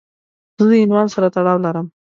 زه د عنوان سره تړاو لرم.